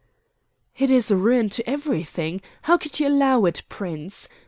"It is ruin to everything. How could you allow it, Prince?